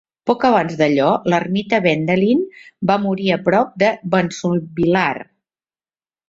Poc abans d'allò, l'ermità Wendelin va morir a prop de Basonvillare.